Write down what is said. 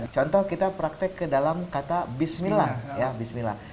contoh kita praktek ke dalam kata bismillah